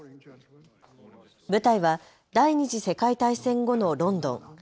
舞台は第２次世界大戦後のロンドン。